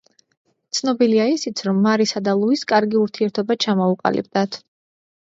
ცნობილია ისიც, რომ მარისა და ლუის კარგი ურთიერთობა ჩამოუყალიბდათ.